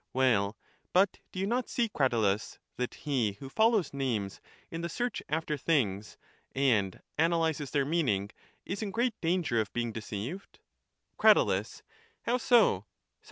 Well, but do you not see, Cratyius, that he who follows names in the search after things, and analyses their meaning, is in great danger of being deceived? Crat. How so?